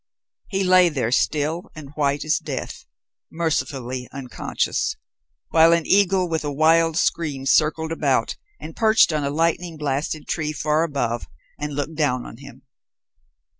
He lay there still and white as death, mercifully unconscious, while an eagle with a wild scream circled about and perched on a lightning blasted tree far above and looked down on him.